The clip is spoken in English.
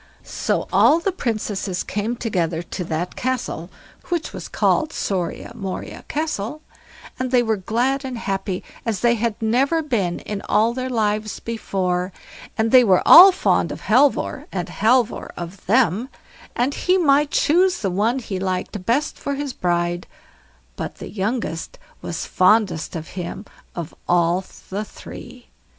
So all the Princesses came together to that Castle, which was called Soria Moria Castle, and they were glad and happy as they had never been in all their lives before, and they all were fond of Halvor and Halvor of them, and he might choose the one he liked best for his bride; but the youngest was fondest of him of all the three.